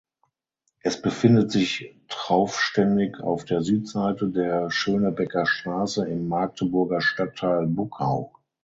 Es befindet sich traufständig auf der Südseite der Schönebecker Straße im Magdeburger Stadtteil Buckau.